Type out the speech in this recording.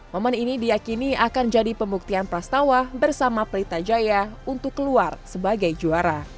momen ini diakini akan jadi pembuktian prastawa bersama pelita jaya untuk keluar sebagai juara